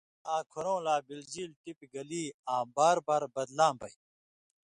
ݜِݜہ لا آں کُھرؤں لا بلژیلیۡ ٹپیۡ گلی آں بار بار بدلاں بئ۔